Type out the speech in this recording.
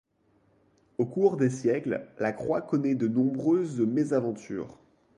Au cours des siècles, la croix connaît de nombreuses mésaventures.